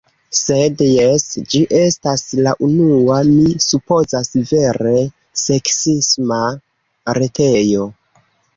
Sed jes, ĝi estas la unua, mi supozas, vere seksisma retejo.